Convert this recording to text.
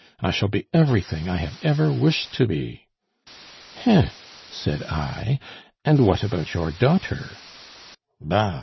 I shall be everything I have ever wished to be.' 'Heh!' said I, 'and what about your daughter?' 'Bah!